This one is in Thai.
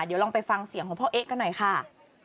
เดี๋ยวลองไปฟังเสียงของพ่อเอ๊ะกันหน่อยค่ะ